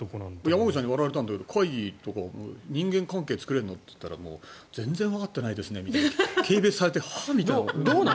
山口さんに笑われたんだけど会議とか人間関係作れるの？って言ったら全然わかってないですねみたいな軽蔑されて。は？みたいな。